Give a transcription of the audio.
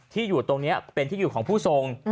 ที่อยู่ตรงนี้เป็นที่อยู่ของผู้ทรง